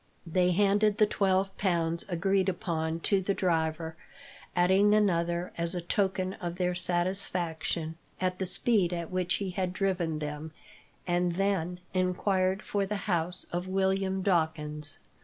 They handed the twelve pounds agreed upon to the driver, adding another as a token of their satisfaction at the speed at which he had driven them, and then enquired for the house of William Dawkins.